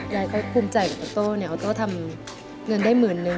ยายก็คุ้มใจกับอัตโตเนี่ยอัตโตทำเงินได้หมื่นนึง